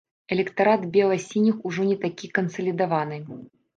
Электарат бела-сініх ужо не такі кансалідаваны.